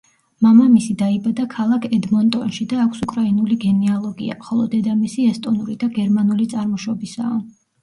მამამისი დაიბადა ქალაქ ედმონტონში და აქვს უკრაინული გენეალოგია, ხოლო დედამისი ესტონური და გერმანული წარმოშობისაა.